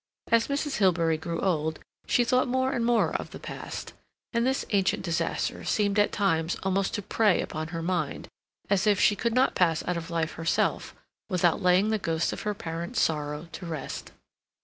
As Mrs. Hilbery grew old she thought more and more of the past, and this ancient disaster seemed at times almost to prey upon her mind, as if she could not pass out of life herself without laying the ghost of her parent's sorrow to rest.